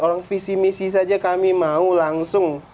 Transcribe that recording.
orang visi misi saja kami mau langsung